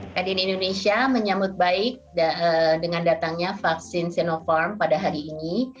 kadin indonesia menyambut baik dengan datangnya vaksin sinopharm pada hari ini